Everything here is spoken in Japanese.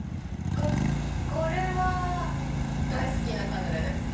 これは大好きなカヌレです。